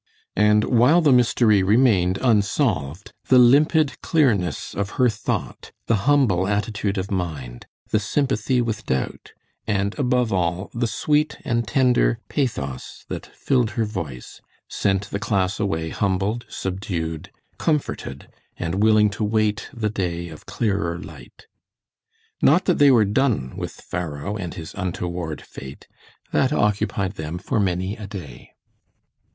And while the mystery remained unsolved, the limpid clearness of her thought, the humble attitude of mind, the sympathy with doubt, and above all, the sweet and tender pathos that filled her voice, sent the class away humbled, subdued, comforted, and willing to wait the day of clearer light. Not that they were done with Pharaoh and his untoward fate; that occupied them for many a day.